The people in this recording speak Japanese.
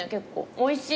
おいしい。